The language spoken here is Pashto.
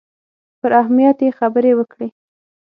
پر اهمیت یې خبرې وکړې.